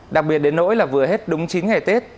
đặc biệt đến nỗi là vừa hết đúng chín ngày tết